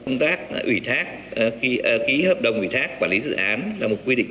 công tác ủy thác ký hợp đồng ủy thác quản lý dự án là một quy định